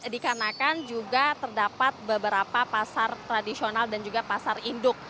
dikarenakan juga terdapat beberapa pasar tradisional dan juga pasar induk